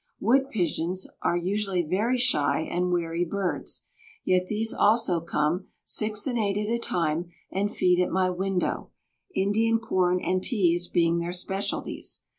Wood pigeons are usually very shy and wary birds, yet these also come, six and eight at a time, and feed at my window, Indian corn and peas being their specialities.